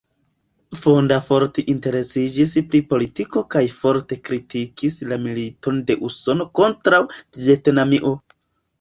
Fonda forte interesiĝis pri politiko kaj forte kritikis la militon de Usono kontraŭ Vjetnamio.